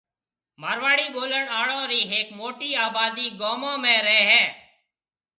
مارواڙي بولڻ آݪو رِي ھيَََڪ موٽِي آبادي گومون ۾ رَي ھيَََ